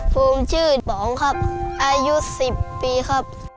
ภูมิชื่อป๋องครับอายุ๑๐ปีครับ